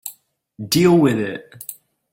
Deal with it!